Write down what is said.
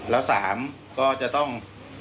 และสามก็จะต้อง